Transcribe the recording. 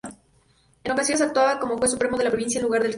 En ocasiones actuaba como juez supremo de la provincia, en lugar del cadí.